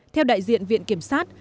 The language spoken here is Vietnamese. theo đại diện viện kiểm sát